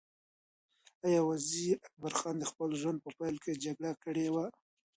ایا وزیر اکبر خان د خپل ژوند په پیل کې جګړه کړې وه؟